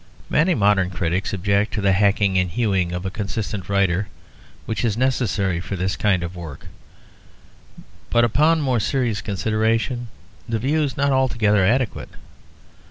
Many modern critics object to the hacking and hewing of a consistent writer which is necessary for this kind of work, but upon more serious consideration, the view is not altogether adequate.